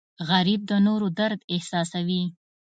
غریب د نورو درد احساسوي